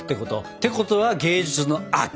てことは芸術の秋！